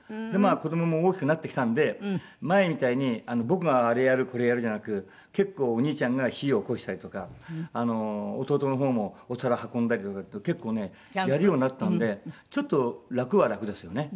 子どもも大きくなってきたんで前みたいに僕があれやるこれやるじゃなく結構お兄ちゃんが火をおこしたりとか弟の方もお皿運んだりとかって結構ねやるようになったのでちょっと楽は楽ですよね。